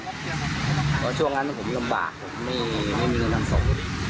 เพราะช่วงนั้นผมลำบากผมไม่มีเงินนำส่ง